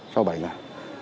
sau bảy ngày